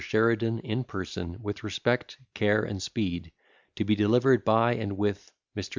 SHERIDAN IN PERSON, WITH RESPECT, CARE, AND SPEED. TO BE DELIVERED BY AND WITH MR.